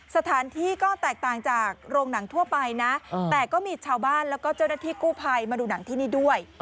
สถานที่ก็แตกต่างจากโรงหนังทั่วไปนะแต่ก็มีชาวบ้านแล้วก็เจ้าหน้าที่กู้ภัยมาดูหนังที่นี่ด้วย